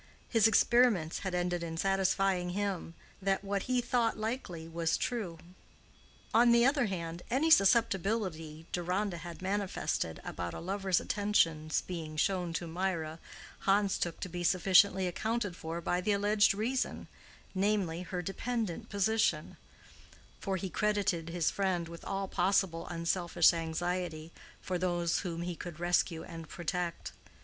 His experiments had ended in satisfying him that what he thought likely was true. On the other hand, any susceptibility Deronda had manifested about a lover's attentions being shown to Mirah, Hans took to be sufficiently accounted for by the alleged reason, namely, her dependent position; for he credited his friend with all possible unselfish anxiety for those whom he could rescue and protect.